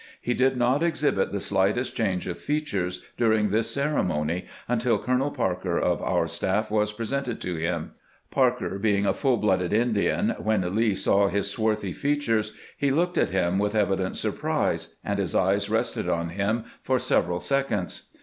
He did not exhibit the slightest change of features during this ceremony until Colonel Parker of our staff was presented to him. Parker being a full blooded Indian, when Lee saw his swarthy feature i he looked at him with evident sur prise, and his eyes rested on him for several seconds.